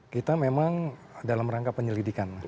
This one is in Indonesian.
kita memang dalam rangka penyelidikan